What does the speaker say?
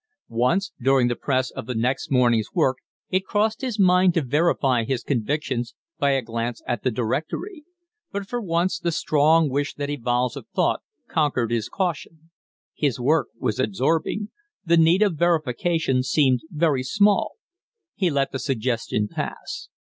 Once during the press of the next morning's work it crossed his mind to verify his convictions by a glance at the directory. But for once the strong wish that evolves a thought conquered his caution. His work was absorbing; the need of verification seemed very small. He let the suggestion pass.